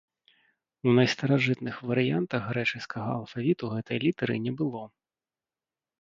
У найстаражытных варыянтах грэчаскага алфавіту гэтай літары не было.